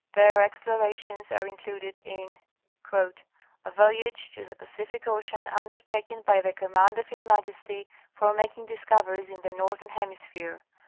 Their explorations are included in "A voyage to the Pacific Ocean, undertaken by the command of his Majesty, for making discoveries in the northern hemis phere, [etc.